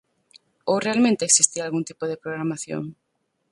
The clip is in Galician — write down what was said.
¿Ou realmente existía algún tipo de programación?